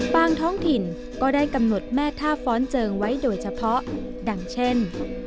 ท้องถิ่นก็ได้กำหนดแม่ท่าฟ้อนเจิงไว้โดยเฉพาะดังเช่น